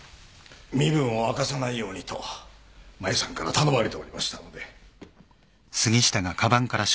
身分を明かさないようにとマユさんから頼まれておりましたので。